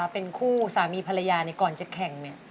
เป็นคู่สามีภรรยาก่อนจะแข่ง